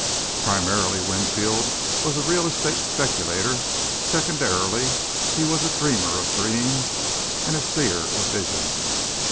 Primarily Winfield was a real estate speculator, secondarily he was a dreamer of dreams and seer of visions.